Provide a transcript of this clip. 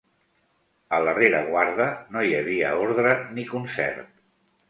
A la rereguarda no hi havia ordre ni concert.